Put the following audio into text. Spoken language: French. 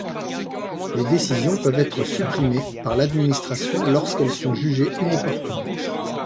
Les décisions peuvent être supprimées par l'administration lorsqu'elles sont jugées inopportunes.